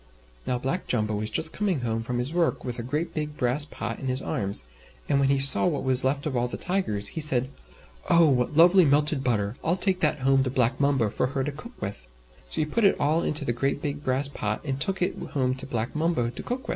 Now Black Jumbo was just coming home from his work, with a great big brass pot in his arms, and when he saw what was left of all the Tigers, he said, "Oh! what lovely melted butter! I'll take that home to Black Mumbo for her to cook with." So he put it all into the great big brass pot, and took it home to Black Mumbo to cook with.